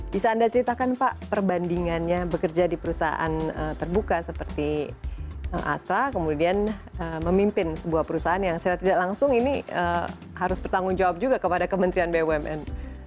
bisa anda ceritakan pak perbandingannya bekerja di perusahaan terbuka seperti astra kemudian memimpin sebuah perusahaan yang secara tidak langsung ini harus bertanggung jawab juga kepada kementerian bumn